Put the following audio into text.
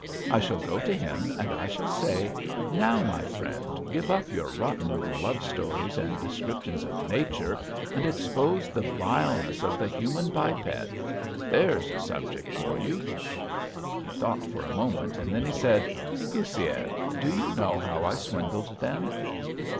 I shall go to him and I shall say, 'now, my friend, give up your rotten little love stories and descriptions of nature, and expose the vileness of the human biped.... There's a subject for you.'" He thought for a moment and then he said: "Goussiev, do you know how I swindled them?"